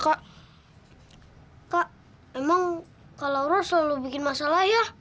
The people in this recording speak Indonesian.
kak emang kak laura selalu bikin masalah ya